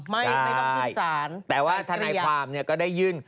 ไม่ไม่ต้องกินสารแต่เกลียดแต่ว่าธนายความก็ได้ยื่น